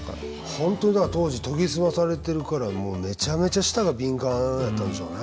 本当に当時研ぎ澄まされてるからめちゃめちゃ舌が敏感やったんでしょうね。